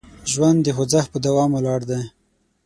ژوند د خوځښت په دوام ولاړ دی.